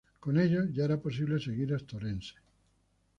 Con ello, ya era posible seguir hasta Orense.